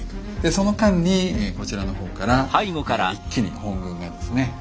その間にこちらの方から一気に本軍がですね